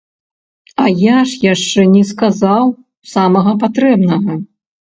А я ж яшчэ не сказаў самага патрэбнага.